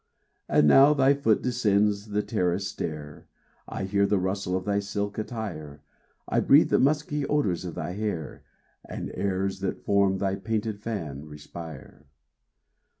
And now thy foot descends the terrace stair: I hear the rustle of thy silk attire; I breathe the musky odors of thy hair And airs that from thy painted fan respire.